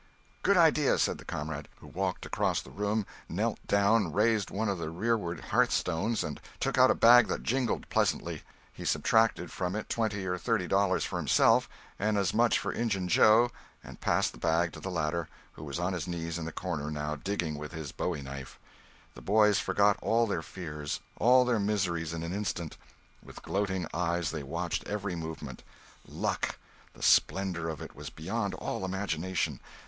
"Good idea," said the comrade, who walked across the room, knelt down, raised one of the rearward hearth stones and took out a bag that jingled pleasantly. He subtracted from it twenty or thirty dollars for himself and as much for Injun Joe, and passed the bag to the latter, who was on his knees in the corner, now, digging with his bowie knife. The boys forgot all their fears, all their miseries in an instant. With gloating eyes they watched every movement. Luck!—the splendor of it was beyond all imagination!